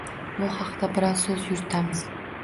Bu haqda biroz so‘z yuritamiz.